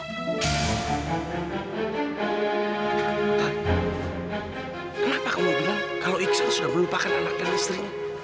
utari kenapa kamu bilang kalau ihsan sudah melupakan anak dan istrinya